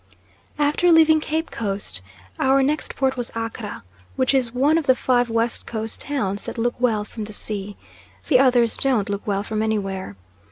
After leaving Cape Coast our next port was Accra which is one of the five West Coast towns that look well from the sea. The others don't look well from anywhere.